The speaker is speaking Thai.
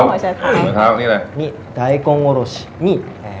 โหชะเท้านี่อะไร